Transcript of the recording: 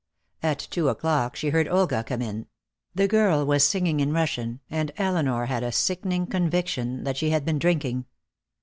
At two o'clock she heard Olga coming in; the girl was singing in Russian, and Elinor had a sickening conviction that she had been drinking.